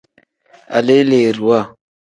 Aleleeriwa.